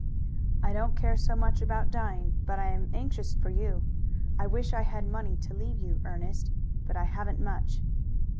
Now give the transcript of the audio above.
"I don't care so much about dying, but I am anxious for you. I wish I had money to leave you, Ernest, but I haven't much."